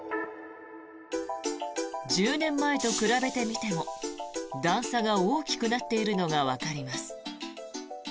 １０年前と比べてみても段差が大きくなっているのがわかります。